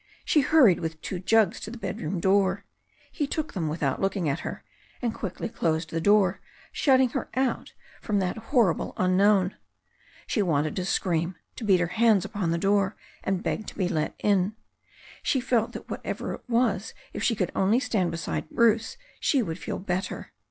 She hurried with two jugs to the bedroom door. He took them without looking at her, and quickly closed the door, shutting her out from that hor rible unknown. She wanted to scream, to beat her hands upon the door and beg to be let in. She felt that whatever it was if she could only stand beside Bruce she would feel l)etter.